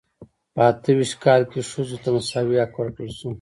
په اته ویشت کال کې ښځو ته مساوي حق ورکړل شو.